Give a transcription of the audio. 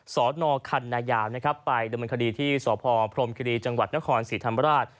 สนคันนายาวนะครับไปดำเนินคดีที่สพพรมคิรีจังหวัดนครศรีธรรมราช